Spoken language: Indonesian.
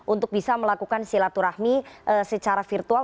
untuk bisa melakukan silaturahmi secara virtual